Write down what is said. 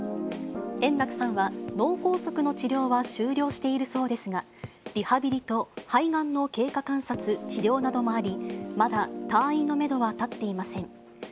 円楽さんは、脳梗塞の治療は終了しているそうですが、リハビリと肺がんの経過観察、治療などもあり、まだ退院のメドは立っていません。